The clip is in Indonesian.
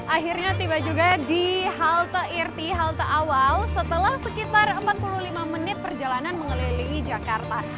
akhirnya tiba juga di halte irti halte awal setelah sekitar empat puluh lima menit perjalanan mengelilingi jakarta